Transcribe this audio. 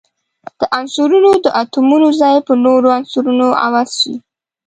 د عنصرونو د اتومونو ځای په نورو عنصرونو عوض شي.